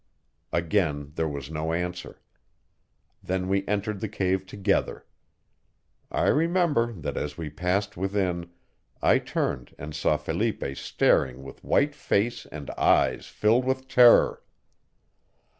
Again there was no answer. Then we entered the cave together. I remember that as we passed within I turned and saw Felipe staring with white face and eyes filled with terror.